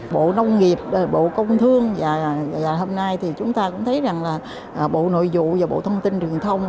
bộ nông nghiệp bộ công thương và hôm nay thì chúng ta cũng thấy rằng là bộ nội vụ và bộ thông tin truyền thông